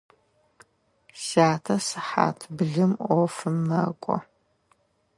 Сятэ сыхьат блым ӏофым мэкӏо.